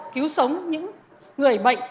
cứu sống những người bệnh